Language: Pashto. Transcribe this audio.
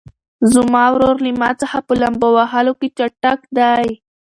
زما ورور له ما څخه په لامبو وهلو کې ډېر چټک دی.